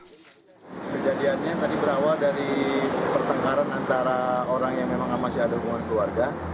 kejadiannya tadi berawal dari pertengkaran antara orang yang memang masih ada hubungan keluarga